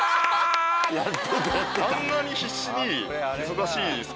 あんなに必死に。